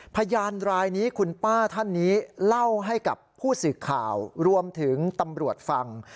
พยานรายนี้คุณป้าท่านนี้เล่าให้กับผู้สื่อข่าวรวมถึงตำรวจฟัง